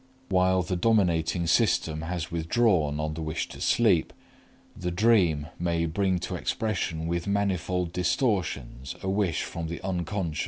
While the dominating system has withdrawn on the wish to sleep, the dream may bring to expression with manifold distortions a wish from the Unc.